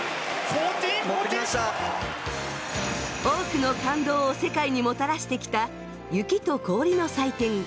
多くの感動を世界にもたらしてきた雪と氷の祭典